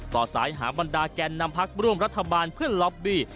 ต่อสายหาบรรดาแกนนำพักร่วมรัฐบาลเพื่อล็อบบี้